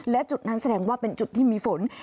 และจุดนั้นแสดงว่าเป็นจุดที่มีฝน